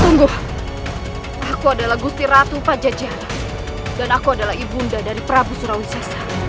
tunggu aku adalah gusti ratu pajajara dan aku adalah ibunda dari prabu surawisasa